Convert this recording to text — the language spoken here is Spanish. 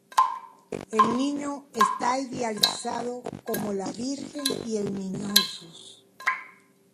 El niño está idealizado como la Virgen y el Niño Jesús.